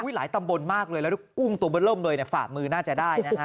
หลายตำบลมากเลยแล้วกุ้งตัวเบอร์เริ่มเลยฝ่ามือน่าจะได้นะฮะ